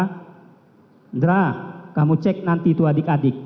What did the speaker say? hendra kamu cek nanti itu adik adik